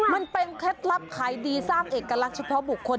เคล็ดลับขายดีสร้างเอกลักษณ์เฉพาะบุคคล